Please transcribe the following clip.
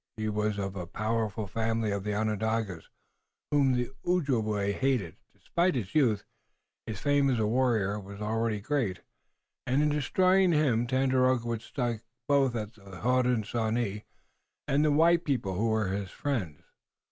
He was of a powerful family of the Onondagas, whom the Ojibway hated. Despite his youth, his fame as a warrior was already great, and in destroying him Tandakora would strike both at the Hodenosaunee and the white people who were his friends.